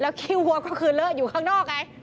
ขี้วัวก็คือเลอะอยู่ข้างนอกไง